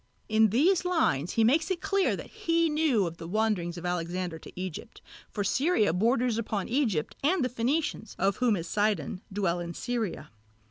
In these lines he makes it clear that he knew of the wanderings of Alexander to Egypt, for Syria borders upon Egypt and the Phenicians, of whom is Sidon, dwell in Syria.